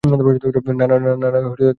না না না, কিছু না।